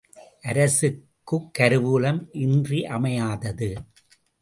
அரசுக்குக் கருவூலம் இன்றியமையாதது.